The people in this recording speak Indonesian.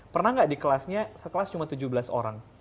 pernah nggak di kelasnya sekelas cuma tujuh belas orang